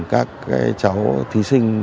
các cháu thí sinh